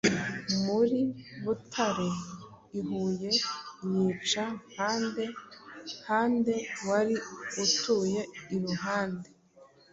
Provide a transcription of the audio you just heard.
muri Butare , i Huye , yica Mpande Hande wari utuye iruhunde